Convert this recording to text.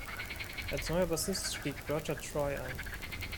Als neuer Bassist stieg Roger Troy ein.